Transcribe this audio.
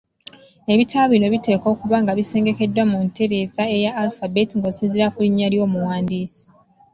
Ebitabo bino biteekwa kuba nga bisengekeddwa mu ntereeza eya alphabet ng’osinziira ku linnya ly’omuwandiisi.